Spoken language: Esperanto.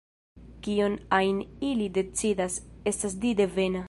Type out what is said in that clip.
Kion ajn ili decidas, estas di-devena.